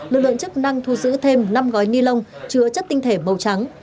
lực lượng chức năng thu giữ thêm năm gói ni lông chứa chất tinh thể màu trắng